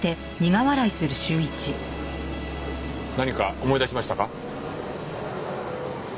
何か思い出しましたか？